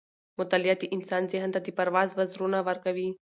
مطالعه د انسان ذهن ته د پرواز وزرونه ورکوي.